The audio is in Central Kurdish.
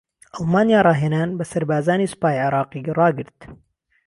ئەڵمانیا راھێنان بە سەربازانی سوپای عێراقی راگرت